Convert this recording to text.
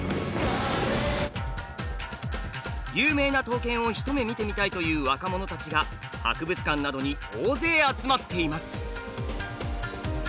有名な刀剣を一目見てみたいという若者たちが博物館などに大勢集まっています。